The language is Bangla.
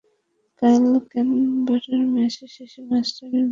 কাল ক্যানবেরার ম্যাচ শেষে মাশরাফি বিন মুর্তজার জন্য মঞ্চটা তাই সাজানোই ছিল।